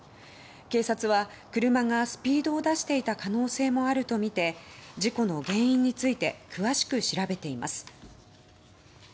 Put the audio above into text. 警察は車がスピードを出していた可能性もあるとみて事故の原因について詳しく調べています。